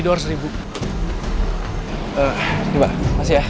ini pak makasih ya